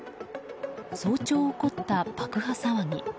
早朝、起こった爆破騒ぎ。